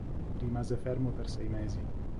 Rimase fermo per sei mesi.